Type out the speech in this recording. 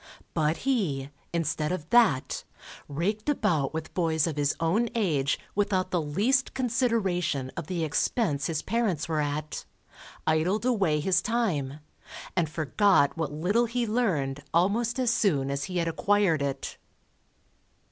But he, instead of that, raked about with boys of his own age, without the least consideration of the expense his parents were at, idled away his time, and forgot what little he learned almost as soon as he had acquired it.